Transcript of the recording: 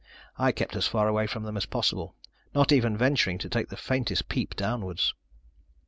I kept as far away from them as possible, not even venturing to take the faintest peep downwards.